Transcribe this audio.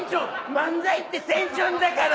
漫才ってテンションだから。